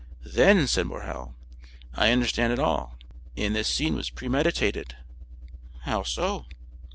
"Then," said Morrel, "I understand it all, and this scene was premeditated." "How so?"